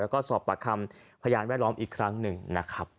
แล้วก็สอบปากคำพยานแวดล้อมอีกครั้งหนึ่งนะครับ